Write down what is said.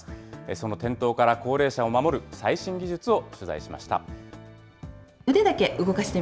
その転倒から高齢者を守る最新技術を取材しました。